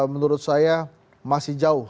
menurut saya masih jauh